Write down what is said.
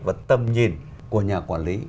và tâm nhìn của nhà quản lý